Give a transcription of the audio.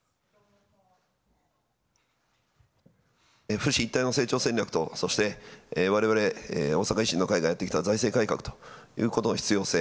府市一体の成長戦略と、そしてわれわれ大阪維新の会がやってきた財政改革ということの必要性